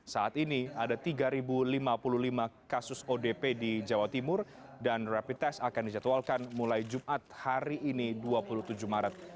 saat ini ada tiga lima puluh lima kasus odp di jawa timur dan rapid test akan dijadwalkan mulai jumat hari ini dua puluh tujuh maret